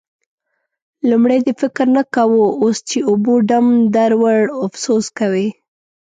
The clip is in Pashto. لومړی دې فکر نه کاوو؛ اوس چې اوبو ډم در وړ، افسوس کوې.